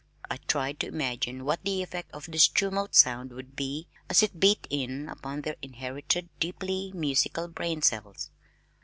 I tried to imagine what the effect of this tumult of sound would be, as it beat in upon their inherited deeply musical brain cells!